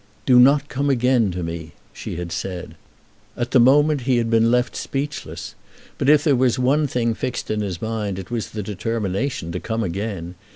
"Do not come again to me," she had said. At the moment he had been left speechless; but if there was one thing fixed in his mind, it was the determination to come again.